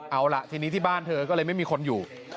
เอาล่ะทีนี้ที่บ้านเธอก็เลยไม่มีคนอยู่